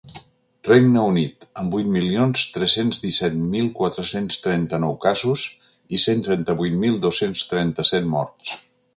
Regne Unit, amb vuit milions tres-cents disset mil quatre-cents trenta-nou casos i cent trenta-vuit mil dos-cents trenta-set morts.